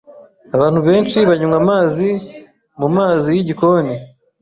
Abantu benshi banywa amazi mumazi yigikoni.